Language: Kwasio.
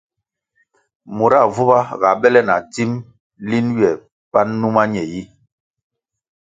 Mura vuba ga bele na dzim lin ywe pan numa ñe yi.